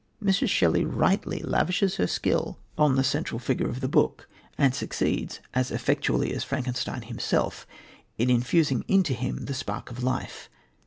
Mrs. Shelley rightly lavishes her skill on the central figure of the book, and succeeds, as effectually as Frankenstein himself, in infusing into him the spark of life.